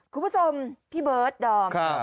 คุณผู้ชมพี่เบิร์ดดอม